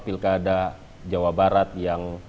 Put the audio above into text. pilkada jawa barat yang